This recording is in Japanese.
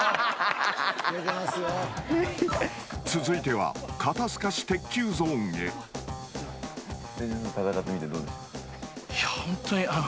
［続いては肩透かし鉄球ゾーンへ］